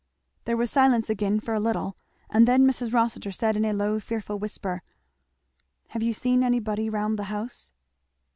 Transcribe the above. There was silence again for a little, and then Mrs. Rossitur said in a low fearful whisper, "Have you seen anybody round the house?"